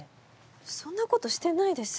そんなことしてないです。